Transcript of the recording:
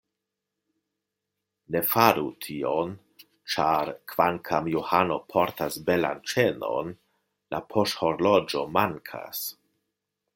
Ne faru tion, ĉar kvankam Johano portas belan ĉenon, la poŝhorloĝo mankas.